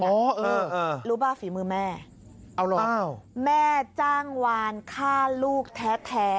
อ๋อเออเออรู้ป่าหรือฝีมือแม่เอาหรอเอาแม่จ้างวานฆ่าลูกแท้แท้